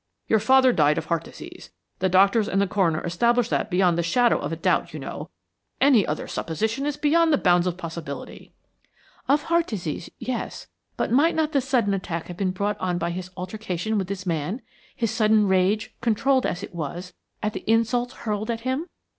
"Your father died of heart disease. The doctors and the coroner established that beyond the shadow of a doubt, you know. Any other supposition is beyond the bounds of possibility." "Of heart disease, yes. But might not the sudden attack have been brought on by his altercation with this man? His sudden rage, controlled as it was, at the insults hurled at him?"